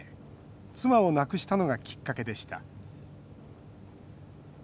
妻を亡くしたのがきっかけでした。